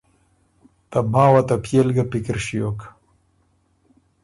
ته ماوه ته پيې ل ګه پِکر ݭیوک۔